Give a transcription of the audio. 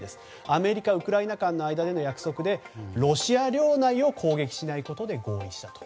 アメリカ、ウクライナの間での約束でロシア領内を攻撃しないことで合意したと。